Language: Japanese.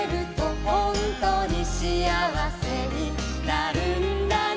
「ほんとにシアワセになるんだね」